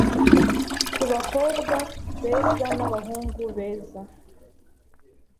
Kubakobwa beza nabahungu beza